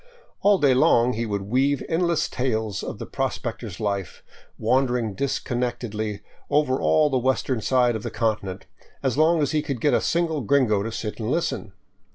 All day long he would weave endless tales of the prospector's life, wandering disconnectedly over all the western side of the continent, as long as he could get a single gringo to sit and listen.